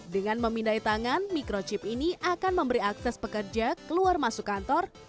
dengan memindai tangan microchip ini akan memberi akses pekerja keluar masuk kantor